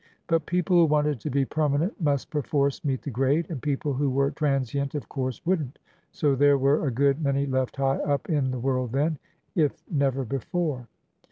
But people who wanted to be permanent must perforce meet the grade, and people who were transient of course would n't, so there were a good many left high up in the world then, if never before.